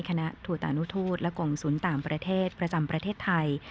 คณะทูตานุทูตและกองศูนย์ต่างประเทศประจำประเทศไทย